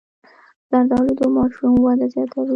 زردالو د ماشوم وده زیاتوي.